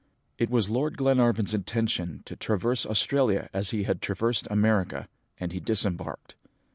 "It was Lord Glenarvan's intention to traverse Australia as he had traversed America, and he disembarked.